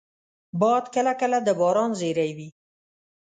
باد کله کله د باران زېری وي